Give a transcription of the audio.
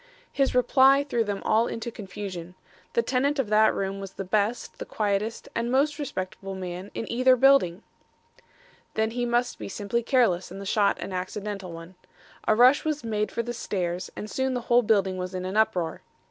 "'His reply threw them all into confusion. The tenant of that room was the best, the quietest and most respectable man in either building. "'Then he must be simply careless and the shot an accidental one. A rush was made for the stairs and soon the whole building was in an uproar.